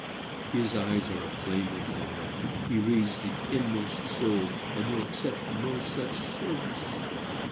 His eyes are a flame of fire;—he reads the inmost soul, and will accept no such service.